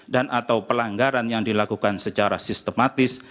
dan atau pelanggaran yang dilakukan secara sistematis